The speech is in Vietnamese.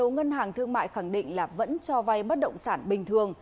một số ngân hàng thương mại khẳng định là vẫn cho vay bất động sản bình thường